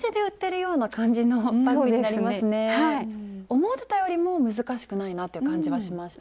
思ってたよりも難しくないなっていう感じはしました。